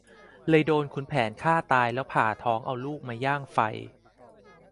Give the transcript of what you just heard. เลยโดนขุนแผนฆ่าตายแล้วผ่าท้องเอาลูกมาย่างไฟ